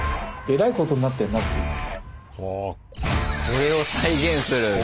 これを再現する！